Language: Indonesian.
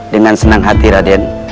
dengan senang hati raden